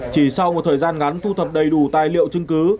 chỉ sau một thời gian ngắn thu thập đầy đủ tài liệu chứng cứ